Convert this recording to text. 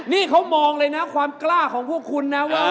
นี่เขามองเลยนะความกล้าของพวกคุณนะว่า